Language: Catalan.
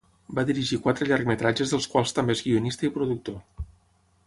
Va dirigir quatre llargmetratges dels quals també és guionista i productor.